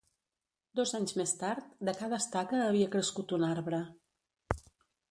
Dos anys més tard, de cada estaca havia crescut un arbre.